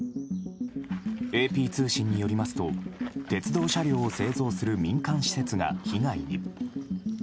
ＡＰ通信によりますと鉄道車両を製造する民間施設が被害に。